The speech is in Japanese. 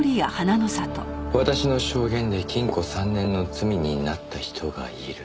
「私の証言で禁錮三年の罪になった人がいる」